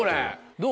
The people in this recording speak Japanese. どう？